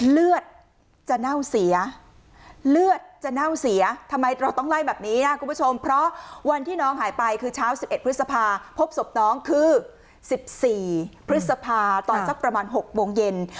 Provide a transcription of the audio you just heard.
เลือดจะเน่าเสียเลือดจะเน่าเสียทำไมเราต้องไล่แบบนี้นะคุณผู้ชมเพราะวันที่น้องหายไปคือเช้า๑๑พฤษภาพบศพน้องคือ๑๔พฤษภาตอนสักประมาณ๖โมงเย็น